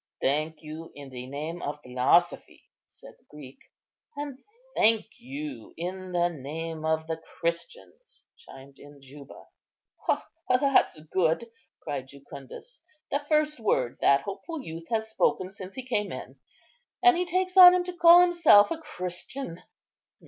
"Thank you in the name of philosophy," said the Greek. "And thank you in the name of the Christians," chimed in Juba. "That's good!" cried Jucundus; "the first word that hopeful youth has spoken since he came in, and he takes on him to call himself a Christian."